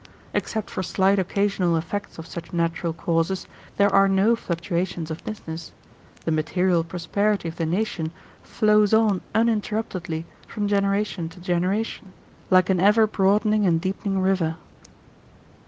Except for slight occasional effects of such natural causes, there are no fluctuations of business; the material prosperity of the nation flows on uninterruptedly from generation to generation, like an ever broadening and deepening river.